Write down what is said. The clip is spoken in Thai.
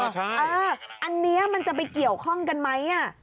อันนี้มันจะไปเกี่ยวข้องกันไหม